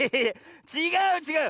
ちがうちがう！